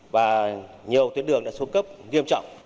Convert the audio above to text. và nhiều tuyến đường đã xuất cấp nghiêm trọng